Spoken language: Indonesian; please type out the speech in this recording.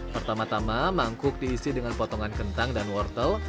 pertama tama mangkuk diisi dengan potongan kentang dan wortel